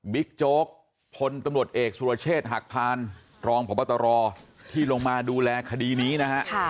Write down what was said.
โจ๊กพลตำรวจเอกสุรเชษฐ์หักพานรองพบตรที่ลงมาดูแลคดีนี้นะฮะ